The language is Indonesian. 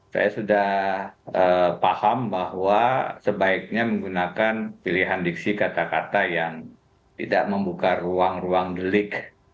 saya sudah paham bahwa sebaiknya menggunakan pilihan diksi kata kata yang tidak membuka ruang ruang delik